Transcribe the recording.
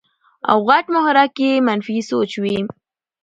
او غټ محرک ئې منفي سوچ وي -